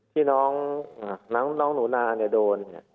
ที่น้องหนูนาโดน